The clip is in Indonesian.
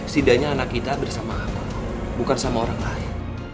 setidaknya anak kita bersama aku bukan sama orang lain